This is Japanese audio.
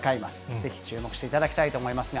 ぜひ注目していただきたいと思いますが。